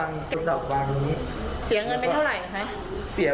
อ่ะขอเอามาเลย